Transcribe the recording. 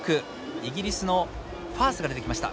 イギリスのファースが出てきました。